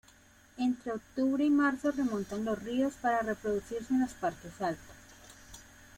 Entre octubre y marzo remonta los ríos para reproducirse en las partes altas.